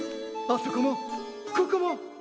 あそこもここも！